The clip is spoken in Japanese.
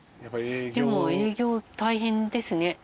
でも営業大変ですね。